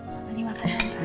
sama sama makan ya tante